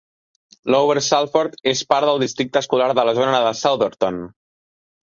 Lower Salford és part del districte escolar de la zona de Souderton.